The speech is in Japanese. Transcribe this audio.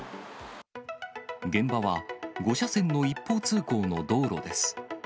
現場は５車線の一方通行の道路です。